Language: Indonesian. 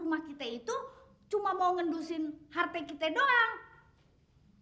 rumah kita itu cuma mau ngendusin harta kita doang